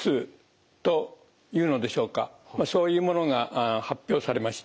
そういうものが発表されました。